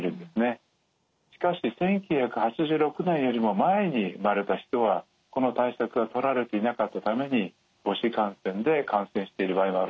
しかし１９８６年よりも前に生まれた人はこの対策はとられていなかったために母子感染で感染している場合があるんですね。